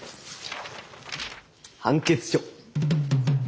判決書！